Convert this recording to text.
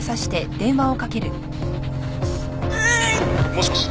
もしもし？